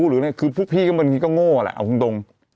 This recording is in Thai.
หรืออะไรคือพวกพี่ก็เหมือนงี่ก็โง่อ่ะแหละเอาคงตรง